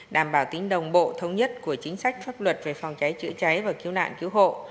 đảm bảo tính đồng bộ thống nhất của chính sách pháp luật về phòng cháy chữa cháy và cứu nạn cứu hộ